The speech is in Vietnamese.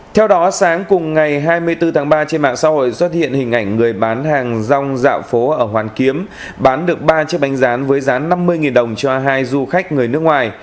theo đó sáng cùng ngày hai mươi bốn tháng ba trên mạng xã hội xuất hiện hình ảnh người bán hàng rong dạo phố ở hoàn kiếm bán được ba chiếc bánh rán với rán năm mươi đồng cho hai du khách người nước ngoài